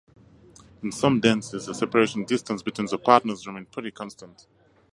In some dances the separation distance between the partners remains pretty constant.